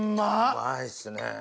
うまいっすね。